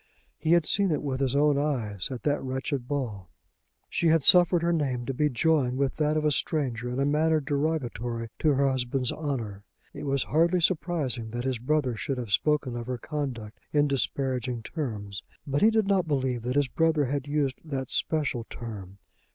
He had seen it with his own eyes at that wretched ball. She had suffered her name to be joined with that of a stranger in a manner derogatory to her husband's honour. It was hardly surprising that his brother should have spoken of her conduct in disparaging terms; but he did not believe that his brother had used that special term.